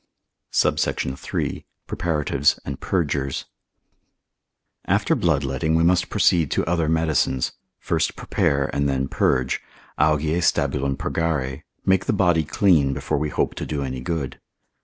SUBSECT. III.—Preparatives and Purgers. After bloodletting we must proceed to other medicines; first prepare, and then purge, Augeae stabulum purgare, make the body clean before we hope to do any good.